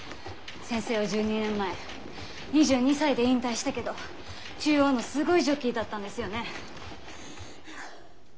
先生は１２年前２２歳で引退したけど中央のすごいジョッキーだったんですよね。